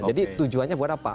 jadi tujuannya buat apa